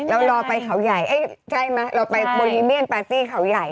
เรารอไปเขาใหญ่ใช่ไหมเราไปโบรีเมียนปาร์ตี้เขาใหญ่